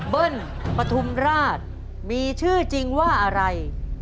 เบิ้ลปฐุมราชมีชื่อจริงว่าอะไร